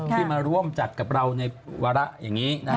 ที่มาร่วมจัดกับเราในวาระอย่างนี้